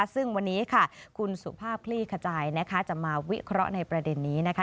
ซึ่งวันนี้ค่ะคุณสุภาพคลี่ขจายนะคะจะมาวิเคราะห์ในประเด็นนี้นะคะ